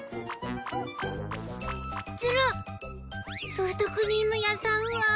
ソフトクリーム屋さんは。